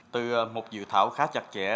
từ một dự thảo khá chặt chẽ